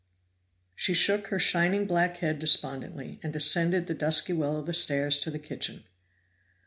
She shook her shining black head despondently, and descended the dusky well of the stairs to the kitchen.